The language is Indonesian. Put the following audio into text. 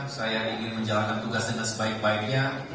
saya ingin menjalankan tugas dengan sebaik baiknya